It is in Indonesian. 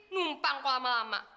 numpang kau lama lama